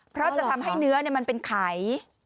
เพราะจะทำให้เนื้อมันเป็นไข